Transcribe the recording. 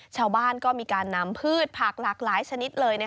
ชาวบ้านก็มีการนำพืชพลาดพลาดหลายชนิดเลยส่วนมา